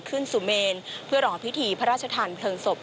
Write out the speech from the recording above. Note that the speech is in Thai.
ขึ้นสู่เมนเพื่อรอพิธีพระราชทานเพลิงศพ